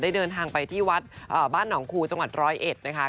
เดินทางไปที่วัดบ้านหนองคูจังหวัดร้อยเอ็ดนะคะ